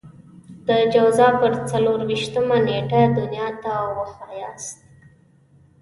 د جوزا پر څلور وېشتمه نېټه دنيا ته وښاياست.